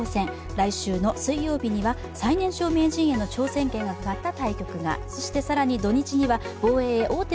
来週の水曜日には最年少名人へのタイトルがかかった対決が。